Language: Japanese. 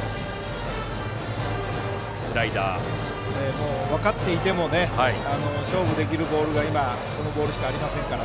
もう分かっていても勝負できるボールが今、このボールしかないので。